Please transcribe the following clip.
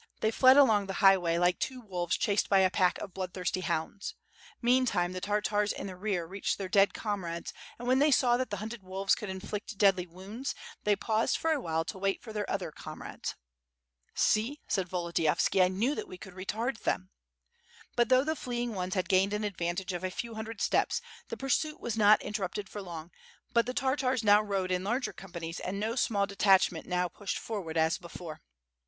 They fled along the highway like two wolves chased by a pack of bloodthirsty hounds. Meantime, the Tartars in the rear reached their dead comrades, and when they saw that the hunted wolves c©uld inflict deadly wounds, they paused for a while to wait for their other comrades. "See!" said Volodiyovski, "I knew that we could retard them." But though the fleeing ones had gained an advantage of a few hundred steps, the pursuit was not interrupted for long, but the Tartars now rode in larger companies, and no small detachment now pushed forward as before.